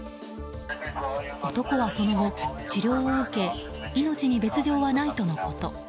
男はその後、治療を受け命に別条はないとのこと。